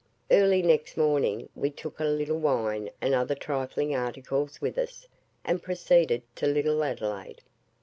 Early next morning we took a little wine and other trifling articles with us, and proceeded to Little Adelaide.